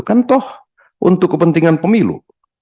kan toh untuk kepentingan pemilu